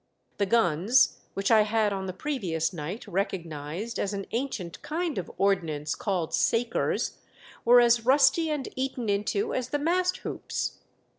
The guns, which I had on the previous night recognised as an ancient kind of ordnance called sakers, were as rusty and eaten into as the mast hoops.